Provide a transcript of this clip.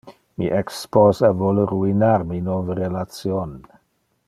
Mi ex-sposa vole ruinar mi nove relation.